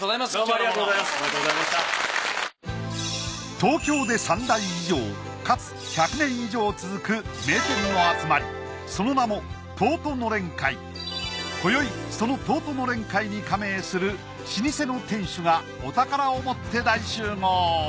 東京で３代以上かつ１００年以上続く名店の集まりその名もこよいその東都のれん会に加盟する老舗の店主がお宝を持って大集合。